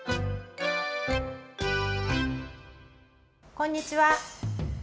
こんにちは。